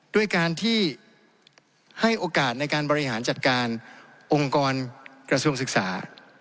ด้วยการที่ให้โอกาสในการบริหารจัดการองค์กรกระทรวงศึกษา